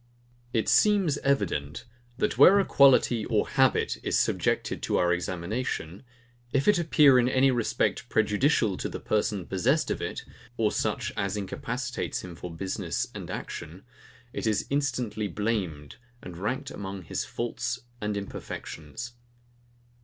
IT seems evident, that where a quality or habit is subjected to our examination, if it appear in any respect prejudicial to the person possessed of it, or such as incapacitates him for business and action, it is instantly blamed, and ranked among his faults and imperfections.